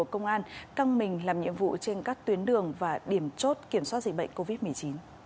công an căng mình làm nhiệm vụ trên các tuyến đường và điểm chốt kiểm soát dịch bệnh covid một mươi chín